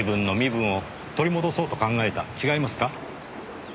違いますか？